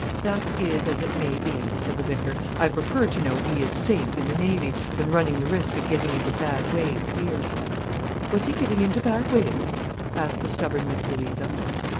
"That is as it may be," said the vicar. "I prefer to know he is safe in the Navy, than running the risk of getting into bad ways here." "Was he getting into bad ways?" asked the stubborn Miss Louisa.